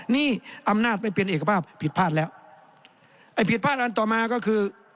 นี่อำนาจไม่เป็นเอกภาพผิดพลาดแล้วไอ้ผิดพลาดอันต่อมาก็คือ